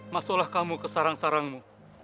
masuklah kamu ke sarang sarangmu